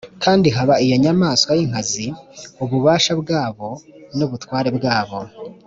kandi baha iyo nyamaswa y inkazi ububasha bwabo n ubutware bwabo